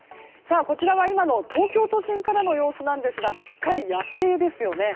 こちらは今の東京都心からの様子なんですがすっかり夜景ですよね。